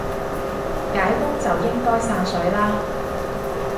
解封就應該散水啦